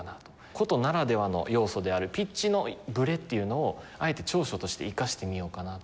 箏ならではの要素であるピッチのブレっていうのをあえて長所として生かしてみようかなという。